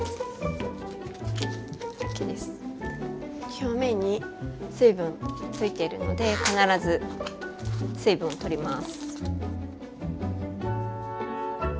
表面に水分ついてるので必ず水分を取ります。